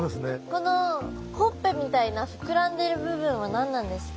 このほっぺみたいな膨らんでる部分は何なんですか？